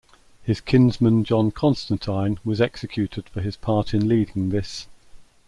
His kinsman John Constantine, was executed for his part in leading this.